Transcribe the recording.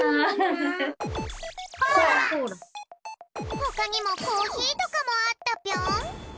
ほかにもコーヒーとかもあったぴょん。